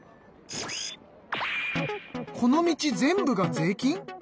この道全部が税金！？